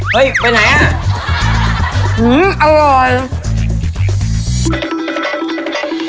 เฮ้ยไปไหนอ่ะ